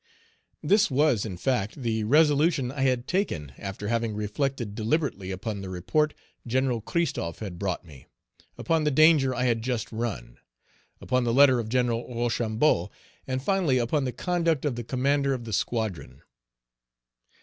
This was, in fact, the resolution I had taken after having reflected deliberately upon the report Gen. Christophe had brought me, upon the danger I had just run, upon the letter of Gen. Rochambeau, and finally upon the conduct of the commander of the squadron.